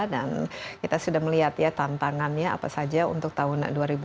dan kita sudah melihat ya tantangannya apa saja untuk tahun dua ribu delapan belas